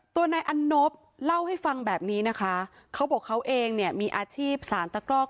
ตัวนายอันนบเล่าให้ฟังแบบนี้นะคะเขาบอกเขาเองเนี่ยมีอาชีพสารตะกรอก